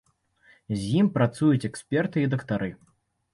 З ім працуюць эксперты і дактары.